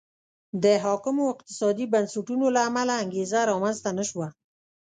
د حاکمو اقتصادي بنسټونو له امله انګېزه رامنځته نه شوه.